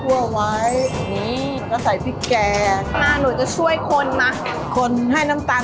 อันนี้คืออะไรมั๊ะ